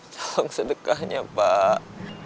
tolong sedekahnya pak